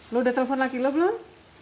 lo udah telpon laki lo belum